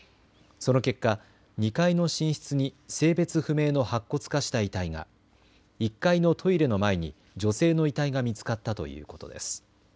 その結果、２階の寝室に性別不明の白骨化した遺体が、１階のトイレの前に女性の遺体が見つかったということです。